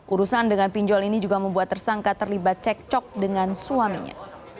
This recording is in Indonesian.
urusan dengan pinjol ini juga membuat tersangka terlibat cek cok dengan suaminya